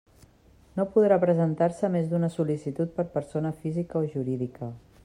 No podrà presentar-se més d'una sol·licitud per persona física o jurídica.